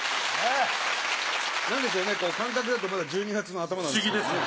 何でしょうね感覚だとまだ１２月の頭なんですけどね。